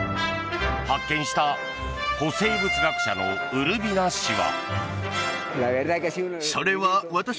発見した古生物学者のウルビナ氏は。